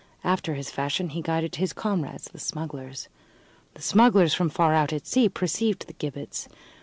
After his fashion, he guided his comrades, the smugglers. The smugglers from far out at sea perceived the gibbets.